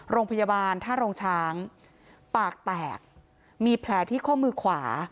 โรงพยาบาลท่าโรงช้างปากแตกมีแผลที่ข้อมือขวา